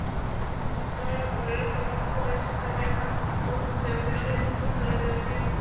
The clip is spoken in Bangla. যেমন ঘরের কোনো খোলা স্থানে হাত দুটোকে প্রসারিত করে দাঁড়িয়ে পড়ুন।